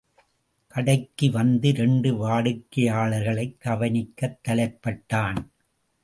கடைக்கு வந்த இரண்டு வாடிக்கையாளர்களை, கவனிக்கத் தலைப்பட்டான்.